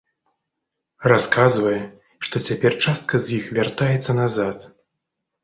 Расказвае, што цяпер частка з іх вяртаецца назад.